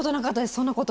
そんなこと。